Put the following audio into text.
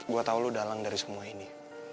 gue tau lo dalang dari semua ini